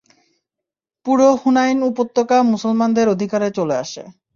পুরো হুনাইন উপত্যকা মুসলমানদের অধিকারে চলে আসে।